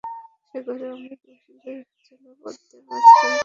সে ঘরে অমিত বসল যেন পদ্মের মাঝখানটাতে ভ্রমরের মতো।